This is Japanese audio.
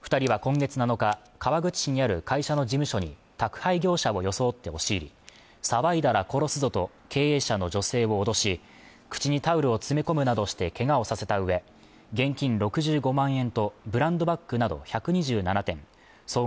二人は今月７日川口市にある会社の事務所に宅配業者を装って押し入り騒いだら殺すぞと経営者の女性を脅し口にタオルを詰め込むなどしてけがをさせたうえ現金６５万円とブランドバッグなど１２７点総額